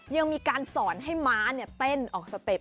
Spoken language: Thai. ยังมีการสอนให้ม้าเต้นออกสเต็ป